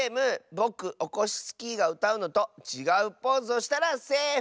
ぼくオコシスキーがうたうのとちがうポーズをしたらセーフ！